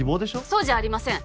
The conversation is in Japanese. そうじゃありません。